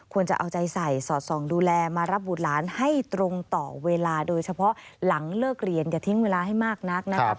จะเอาใจใส่สอดส่องดูแลมารับบุตรหลานให้ตรงต่อเวลาโดยเฉพาะหลังเลิกเรียนอย่าทิ้งเวลาให้มากนักนะครับ